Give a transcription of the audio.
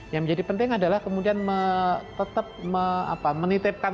yang menjadi penting adalah kemudian tetap menitipkan